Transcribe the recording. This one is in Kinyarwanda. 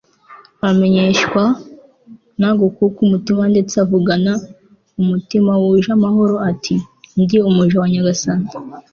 amenyeshwa nta gukuka umutima ndetse avugana umutima wuje amahoro ati « ndi umuja wa nyagasani »